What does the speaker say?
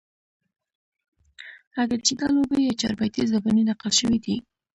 اګر چې دا لوبې يا چاربيتې زباني نقل شوي دي